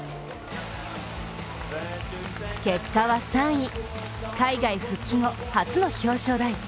結果は３位、海外復帰後、初の表彰台。